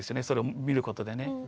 それを見ることでね。